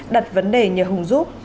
đặt vấn đề nhờ hùng giúp